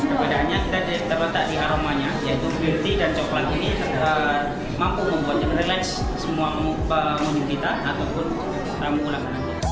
perbedaannya kita terletak di aromanya yaitu beauty dan coklat ini mampu membuat kita rileks semua memutihkan ataupun ramu ulang